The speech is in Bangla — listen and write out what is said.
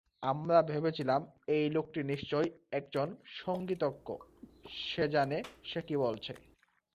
আমরা ভেবেছিলাম এই লোকটি নিশ্চয়ই একজন সঙ্গীতজ্ঞ; সে জানে সে কী বলছে।